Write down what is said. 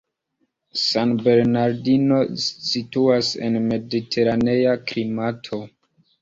San Bernardino situas en mediteranea klimato.